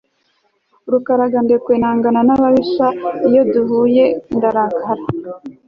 Nti Rukaragandekwe nangana nababisha iyo duhuye ndarakara